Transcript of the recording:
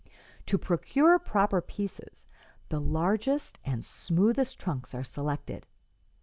To procure proper pieces, the largest and smoothest trunks are selected.